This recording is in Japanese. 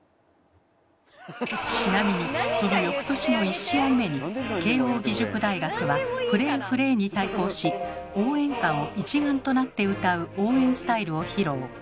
ちなみにその翌年の１試合目に慶應義塾大学は「フレーフレー」に対抗し応援歌を一丸となって歌う応援スタイルを披露。